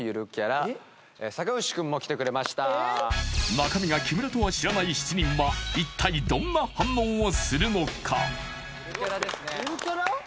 中身が木村とは知らない７人は一体どんな反応をするのか？